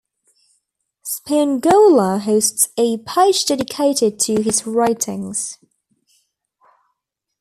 Spingola hosts a page dedicated to his writings.